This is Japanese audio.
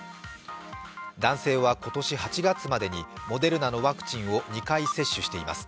男性は今年８月までにモデルナのワクチンを２回接種しています。